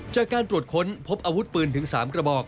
จากการตรวจค้นพบอาวุธปืนถึง๓กระบอก